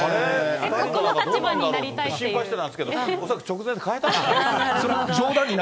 心配してたんですけど、恐らく直前に変えたんじゃないかな。